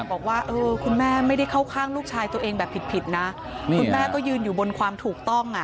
บอกว่าเออคุณแม่ไม่ได้เข้าข้างลูกชายตัวเองแบบผิดผิดนะคุณแม่ก็ยืนอยู่บนความถูกต้องอ่ะ